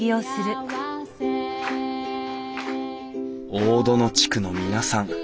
大殿地区の皆さん